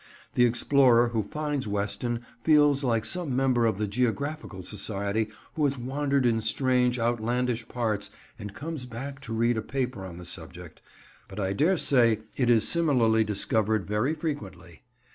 The explorer who finds Weston feels like some member of the Geographical Society who has wandered in strange, outlandish parts and comes back to read a paper on the subject; but I dare say it is similarly discovered very frequently.